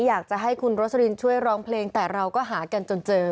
อยากจะให้คุณโรสลินช่วยร้องเพลงแต่เราก็หากันจนเจอ